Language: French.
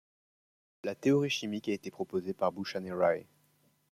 La théorie chimique a été proposée par Buchan et Rae.